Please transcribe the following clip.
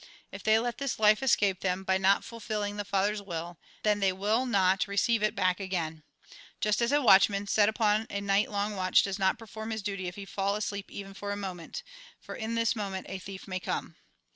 If they let this life escape them, by not fulfilling the Father's will, then they will not receive it back again ; just as a watchman, set upon a night long watch, does not perform his duty if he fall asleep even for a moment ; for in this moment a thief may come.